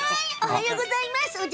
おはようございます！